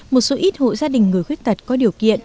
một số ít hộ gia đình người khuyết tật có điều kiện